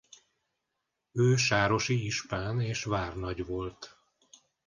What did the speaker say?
Ő sárosi ispán és várnagy volt.